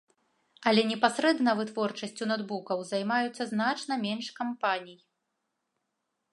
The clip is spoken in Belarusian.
Але непасрэдна вытворчасцю ноўтбукаў займаюцца значна менш кампаній.